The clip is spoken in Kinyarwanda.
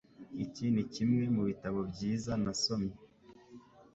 Iki nikimwe mubitabo byiza nasomye.